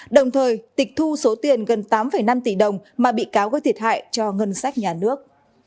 đồng thời tịch thu số tiền gần tám năm tỷ đồng mà bị cáo gây thiệt hại cho ngân sách nhà nước